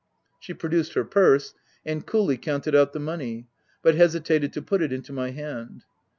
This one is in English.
She produced her purse, and coolly counted out the money, but hesitated to put it into my hand.